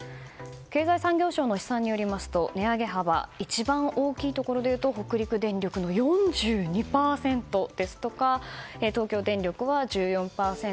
経済産業省の試算によりますと値上げ幅一番大きいところで言うと北陸電力の４２％ですとか東京電力は１４％。